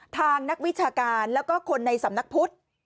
ทางนักวิชาการแล้วก็คนในสำนักพุทธ